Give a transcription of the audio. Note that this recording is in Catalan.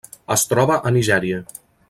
Es troba a Nigèria.